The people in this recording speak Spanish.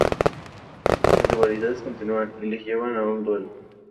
Las rivalidades continúan y les llevan a un duelo.